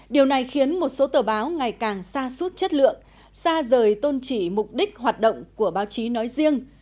điều này khiến một số tờ báo ngày càng xa suốt chất lượng xa rời tôn trị mục đích hoạt động của báo chí nói riêng